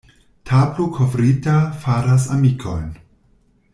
Tablo kovrita faras amikojn.